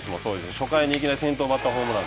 初回にいきなり先頭バッターホームラン。